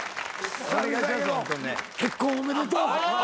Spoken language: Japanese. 結婚おめでとう。